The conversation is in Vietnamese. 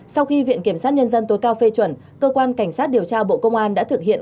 sau khi viện kiểm sát nhân dân tối cao phê chuẩn cơ quan cảnh sát điều tra bộ công an đã thực hiện